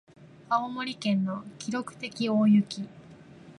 青森県の記録的大雪